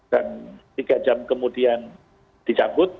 dan tiga jam kemudian dicangkut